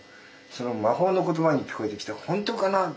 それが魔法の言葉に聞こえてきて本当かな